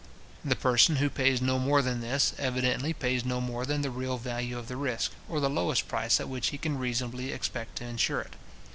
The person who pays no more than this, evidently pays no more than the real value of the risk, or the lowest price at which he can reasonably expect to insure it.